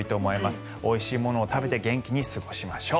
おいしいものを食べて元気に過ごしましょう。